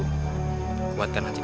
kuatkan aja kalian